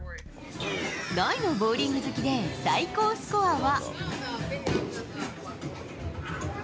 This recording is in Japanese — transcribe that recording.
大のボウリング好きで、最高スコアは。